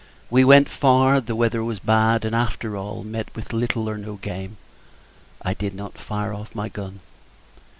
We went far; the weather was bad; and, after all, met with little or no game: I did not fire off my gun.